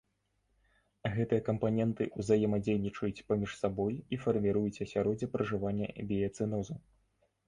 Гэтыя кампаненты ўзаемадзейнічаюць паміж сабой і фарміруюць асяроддзе пражывання біяцэнозу.